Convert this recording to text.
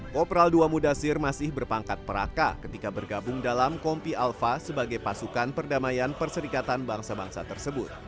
kopral ii mudasir masih berpangkat peraka ketika bergabung dalam kompi alpha sebagai pasukan perdamaian perserikatan bangsa bangsa tersebut